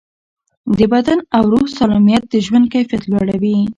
د بدن او روح سالمیت د ژوند کیفیت لوړوي.